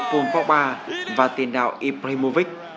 paul pogba và tiền đạo ibrahimovic